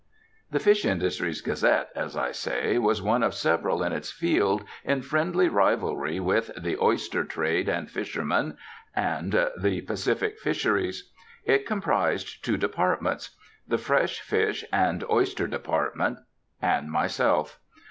The Fish Industries Gazette, as I say, was one of several in its field, in friendly rivalry with The Oyster Trade and Fisherman and The Pacific Fisheries. It comprised two departments: the fresh fish and oyster department, and myself.